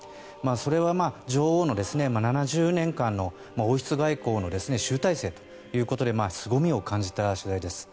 それは女王の７０年間の王室外交の集大成ということですごみを感じた次第です。